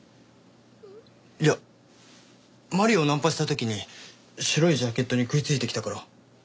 いや麻里をナンパした時に白いジャケットに食いついてきたから。